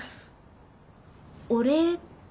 お礼？